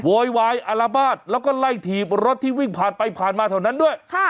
โวยไว้อร้าบาดก็ไล่ถีบรถที่วิ่งผ่านไปผ่านมาเท่านั้นด้วย